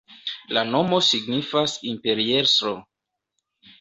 La nomo signifas imperiestro.